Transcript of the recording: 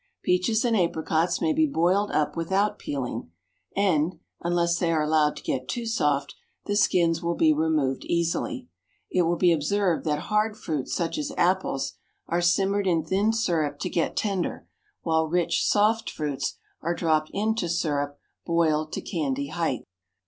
Peaches and apricots may be boiled up without peeling, and (unless they are allowed to get too soft) the skins will be removed easily. It will be observed that hard fruits such as apples are simmered in thin syrup to get tender, while rich soft fruits are dropped into syrup boiled to candy height.